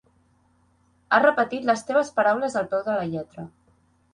Ha repetit les teves paraules al peu de la lletra.